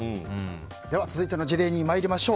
続いての事例に参りましょう。